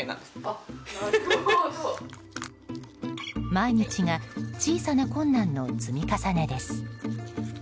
毎日が小さな困難の積み重ねです。